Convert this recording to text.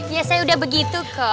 ya saya udah begitu kok